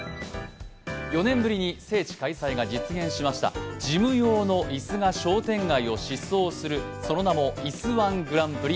４年ぶりに聖地開催が実現しました事務用の椅子が商店街を疾走する、その名もいす−１グランプリ。